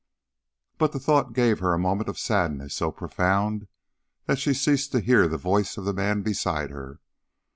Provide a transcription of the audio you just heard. But the thought gave her a moment of sadness so profound that she ceased to hear the voice of the man beside her.